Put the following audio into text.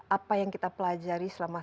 apa yang kita pelajari selama